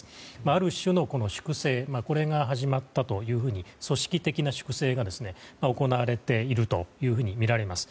ある種の粛清が始まったというふうに組織的な粛清が行われているとみられます。